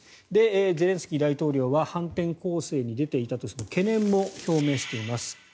ゼレンスキー大統領は反転攻勢に出ていたとして懸念も表明しています。